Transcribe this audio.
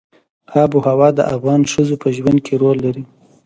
آب وهوا د افغان ښځو په ژوند کې رول لري.